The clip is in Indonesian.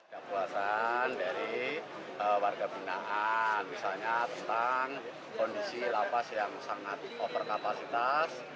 kepuasan dari warga binaan misalnya tentang kondisi lapas yang sangat over kapasitas